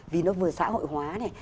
vì nó vừa xã hội hóa này